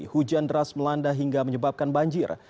hujan deras melanda hingga menyebabkan banjir